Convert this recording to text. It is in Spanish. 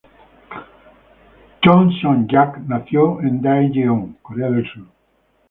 Cho Seon-jak nació en Daejeon, Corea del Sur.